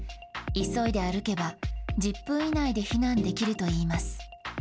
急いで歩けば、１０分以内で避難できるといいます。